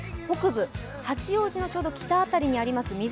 北部、八王子の北辺りにあります